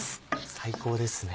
最高ですね。